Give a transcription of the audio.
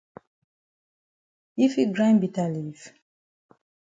Yi fit grind bitter leaf?